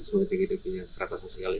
semakin tinggi dia punya strata sosialnya